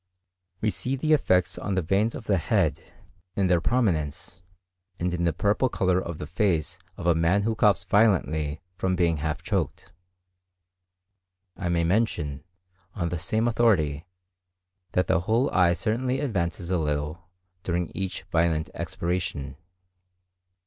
We see the effects on the veins of the head, in their prominence, and in the purple colour of the face of a man who coughs violently from being half choked. I may mention, on the same authority, that the whole eye certainly advances a little during each violent expiration.